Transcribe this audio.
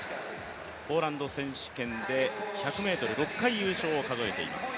ポーランド選手権で１００ｍ、６回優勝を数えています。